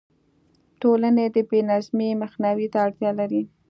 ټولنې د بې نظمۍ مخنیوي ته اړتیا لري.